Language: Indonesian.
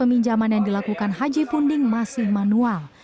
pembelian pinjaman yang dilakukan haji punding masih manual